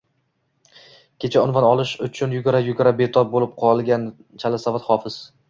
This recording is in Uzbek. Kecha unvon olish uchun yugura-yugura betob bo’lib qolgan chalasavod “hofiz”